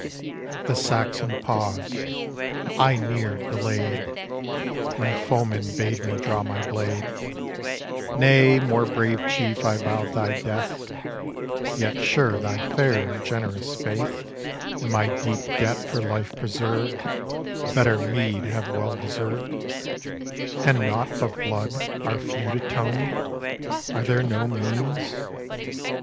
The Saxon paused: "I ne'er delayed, When foeman bade me draw my blade; Nay, more, brave Chief, I vowed thy death: Yet sure thy fair and generous faith, And my deep debt for life preserved, A better meed have well deserved: Can nought but blood our feud atone? Are there no means?"